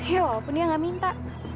ya walaupun dia nggak minta